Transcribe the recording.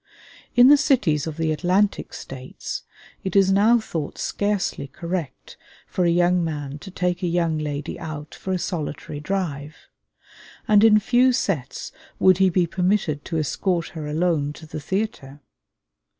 In the cities of the Atlantic States it is now thought scarcely correct for a young man to take a young lady out for a solitary drive; and in few sets would he be permitted to escort her alone to the theatre.